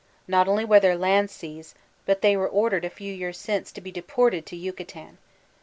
Not only were their lands seized, but they were ordered, a few years since, to be deported to Yucatan.